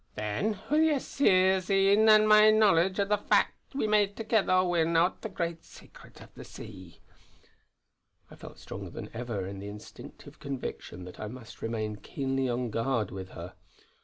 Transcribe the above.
Then, wi' your Seer's een an' my knowledge o' the fact we may thegither win oot the great Secret o' the Sea." I felt stronger than ever the instinctive conviction that I must remain keenly on guard with her.